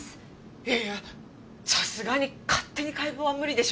いやいやさすがに勝手に解剖は無理でしょ。